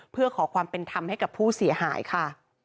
เพื่อขอความเป็นธรรมให้กับผู้เสียหายค่ะ